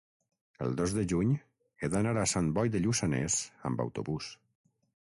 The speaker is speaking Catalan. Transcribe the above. el dos de juny he d'anar a Sant Boi de Lluçanès amb autobús.